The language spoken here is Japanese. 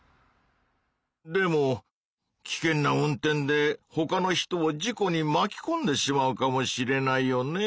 でもきけんな運転でほかの人を事故にまきこんでしまうかもしれないよね？